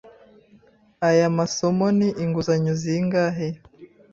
Aya masomo ni inguzanyo zingahe?